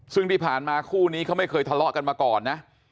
ซึ่งที่ผ่านมาคู่นี้เขาไม่เคยทะเลาะกันมาก่อนนะ